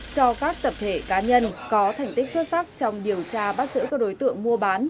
cho các tập thể cá nhân có thành tích xuất sắc trong điều tra bắt giữ các đối tượng mua bán